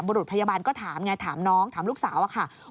รุษพยาบาลก็ถามไงถามน้องถามลูกสาวอะค่ะ